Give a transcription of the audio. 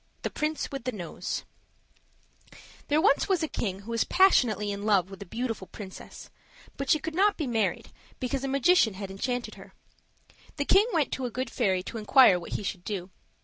THE PRINCE WITH THE NOSE THERE was once a king who was passionately in love with a beautiful princess, but she could not be married because a magician had enchanted her. The king went to a good fairy to inquire what he should do.